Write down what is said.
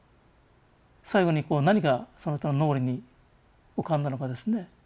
最後に何がその人の脳裏に浮かんだのかですね。